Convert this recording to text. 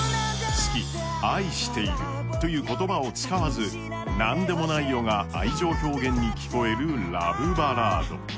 好き、愛しているという言葉を使わず、なんでもないよが愛情表現に聞こえるラブバラード。